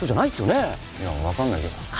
いや分かんないけど。